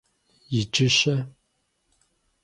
Иджы-щэ?